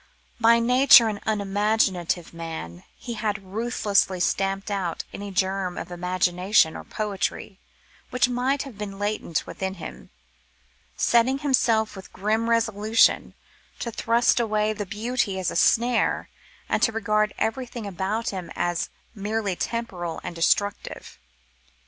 By nature an unimaginative man, he had ruthlessly stamped out any germ of imagination or poetry, which might have been latent within him, setting himself with grim resolution to thrust away the beautiful as a snare, and to regard everything about him as merely temporal and destructible.